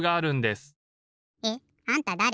えっ？あんただれ？